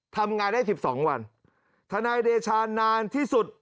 ทำงานได้๑๒วันทนายเดชานานที่สุด